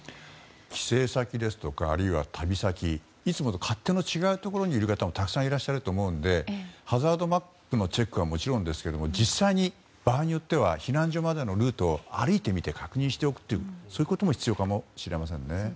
帰省先ですとか旅先、いつもと勝手が違うところにいらっしゃる方もたくさんいらっしゃると思うのでハザードマップのチェックはもちろんですけれども実際に場合によっては避難所までのルートを歩いてみて確認しておくことも必要かもしれませんね。